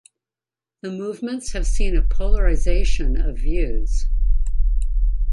The movements have seen a polarization of views.